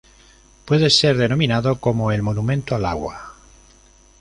Puede ser denominada como "El Monumento al Agua".